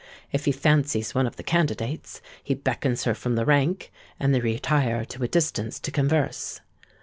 If he fancies one of the candidates, he beckons her from the rank, and they retire to a distance to converse.